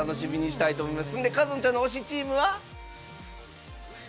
かのちゃんの推しチームは？